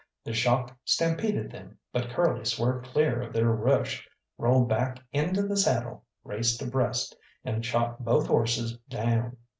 The shock stampeded them, but Curly swerved clear of their rush, rolled back into the saddle, raced abreast, and shot both horses down.